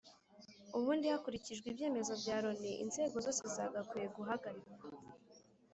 Ubundi hakurikijwe ibyemezo bya Loni inzego zose zagakwiye guhagarikwa